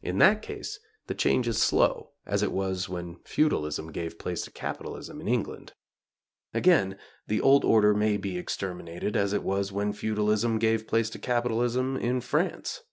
In that case the change is slow, as it was when Feudalism gave place to Capitalism in England. Again, the old order may be exterminated as it was when Feudalism gave place to Capitalism in France.